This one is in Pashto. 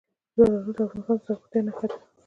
زردالو د افغانستان د زرغونتیا نښه ده.